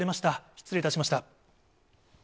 失礼いたしました。